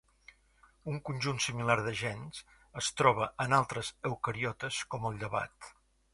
Un conjunt similar de gens es troba en altres eucariotes com el llevat.